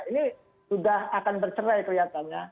ini sudah akan bercerai kelihatannya